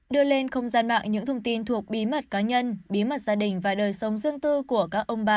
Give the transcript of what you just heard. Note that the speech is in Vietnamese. đưa lên không gian mạng những thông tin thuộc bí mật cá nhân bí mật gia đình và đời sống riêng tư của các ông bà